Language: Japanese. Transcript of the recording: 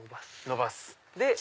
伸ばす。